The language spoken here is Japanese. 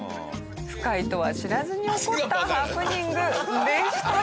深いとは知らずに起こったハプニングでした。